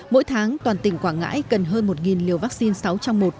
mỗi tháng toàn tỉnh quảng ngãi cần hơn một liều vaccine sáu trong một